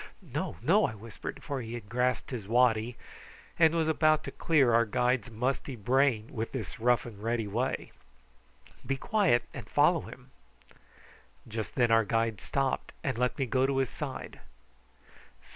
"No, no," I whispered, for he had grasped his waddy and was about to clear our guide's misty brain in this rough and ready way. "Be quiet and follow him." Just then our guide stopped and let me go to his side.